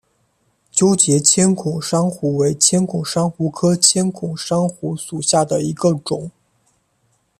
纠结千孔珊瑚为千孔珊瑚科千孔珊瑚属下的一个种。